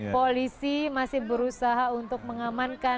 polisi masih berusaha untuk mengamankan